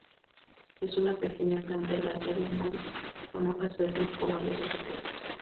Es una pequeña planta herbácea bienal con hojas verdes ovales oscuras.